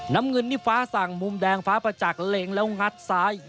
น้ำเงินนี่ฟ้าสั่งมุมแดงฟ้าประจักษ์เล็งแล้วงัดซ้าย